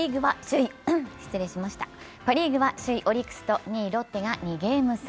パ・リーグは首位、オリックスと２位ロッテが２ゲーム差。